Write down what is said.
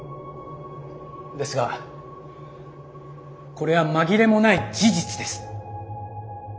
ですがこれは紛れもない事実です。